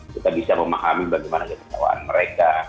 kita bisa memahami bagaimana kekecewaan mereka